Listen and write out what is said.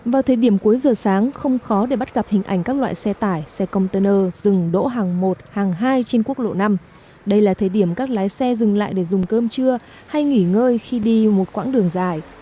vào thời điểm cuối giờ sáng không khó để bắt gặp hình ảnh các loại xe tải xe container dừng đỗ hàng một hàng hai trên quốc lộ năm đây là thời điểm các lái xe dừng lại để dùng cơm trưa hay nghỉ ngơi khi đi một quãng đường dài